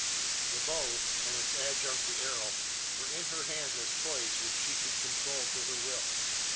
The how, and its adjunct the arrow, were in her hands as toys which she could control to her will.